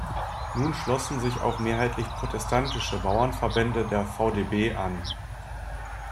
Nun schlossen sich auch mehrheitlich protestantische Bauernverbände der VdB an.